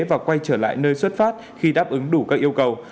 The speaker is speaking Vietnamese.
và quay trở lại nơi xuất phát khi đáp ứng đủ các yêu cầu